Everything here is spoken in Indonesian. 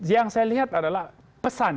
yang saya lihat adalah pesan